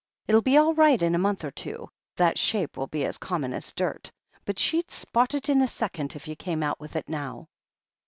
It'll be all right in a month or two — that shape will be as common as dirt— ^but she'd spot it in a second if you came out with it now."